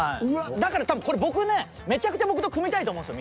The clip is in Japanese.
だから多分これ僕ねめちゃくちゃ僕と組みたいと思うんですよ